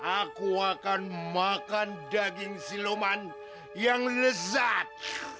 aku akan makan daging siloman yang lezat